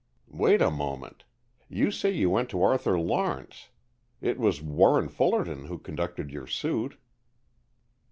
"Wait a moment. You say you went to Arthur Lawrence. It was Warren Fullerton who conducted your suit."